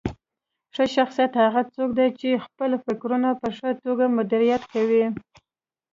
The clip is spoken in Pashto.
ښه شخصیت هغه څوک دی چې خپل فکرونه په ښه توګه مدیریت کوي.